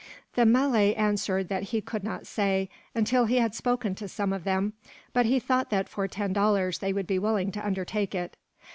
The Malay answered that he could not say, until he had spoken to some of them; but he thought that for ten dollars they would be willing to undertake it.